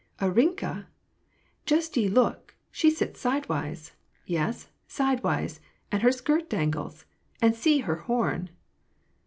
"Arinka, just ye look; she sits sidewise! Yes, sidewise; and her skirt dangles ! And see her horn